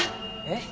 えっ？